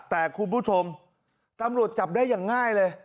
แต่คุณผู้ชมตำรวจจับได้อย่างง่ายเลย